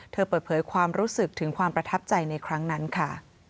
เปิดเผยความรู้สึกถึงความประทับใจในครั้งนั้นค่ะ